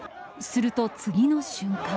すると、次の瞬間。